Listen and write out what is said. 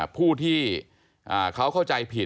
ผู้ที่เขาเข้าใจผิด